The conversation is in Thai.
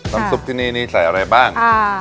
น้ำซุปตรงนี้นี่กินจะกระทำอย่างไรบ้าง